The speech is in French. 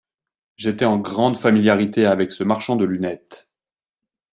J'étais en grande familiarité avec ce marchand de lunettes.